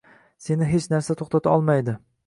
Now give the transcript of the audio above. Seni hech narsa to‘xtata olmaydi!